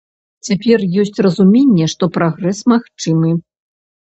Цяпер ёсць разуменне, што прагрэс магчымы.